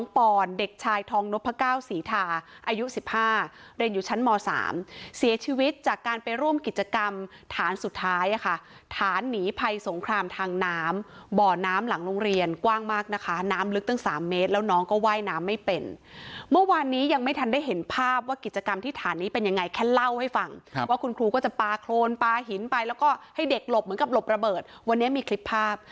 ฐานสุดท้ายอะค่ะฐานหนีไพสงครามทางน้ำบ่อน้ำหลังโรงเรียนกว้างมากนะคะน้ำลึกตั้งสามเมตรแล้วน้องก็ว่ายน้ำไม่เป็นเมื่อวานนี้ยังไม่ทันได้เห็นภาพว่ากิจกรรมที่ฐานนี้เป็นยังไงแค่เล่าให้ฟังครับว่าคุณครูก็จะปาโครนปาหินไปแล้วก็ให้เด็กหลบเหมือนกับหลบระเบิดวันนี้มีคลิปภาพ